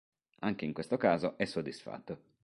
Anche in questo caso, è soddisfatto